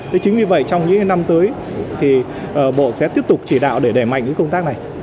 thế chính vì vậy trong những năm tới thì bộ sẽ tiếp tục chỉ đạo để đẩy mạnh cái công tác này